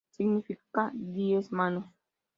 Significa "diez manos".